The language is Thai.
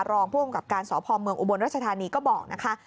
รองผู้กำกับการสพเมืองอุบลรัชธานีก็บอกนะคะ